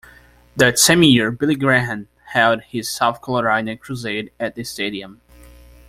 That same year Billy Graham held his South Carolina crusade at the stadium.